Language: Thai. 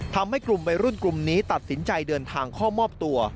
ทำให้กลุ่มวัยรุ่นกลุ่มนี้ตัดสินใจเดินทางเข้ามอบตัว